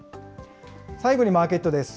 最後にマーケットです。